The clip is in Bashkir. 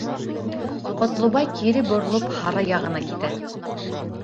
Ҡотлобай кире боролоп һарай яғына китә.